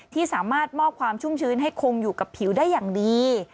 ที่สามารถมอบความชุ่มชื้นให้คงอยู่กับผิวได้อย่างดี